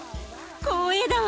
光栄だわ！